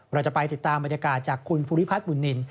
เราจะไปติดตามบรรยากาศจากคุณภูริพัฒน์บุญนิน